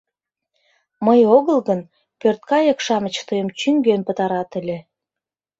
Мый огыл гын, пӧрткайык-шамыч тыйым чӱҥген пытарат ыле...